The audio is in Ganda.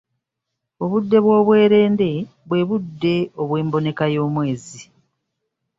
Obudde obw'obwerende bwe budde obw'emboneka y'omwezi.